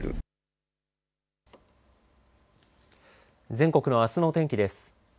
全国のあすの天気です。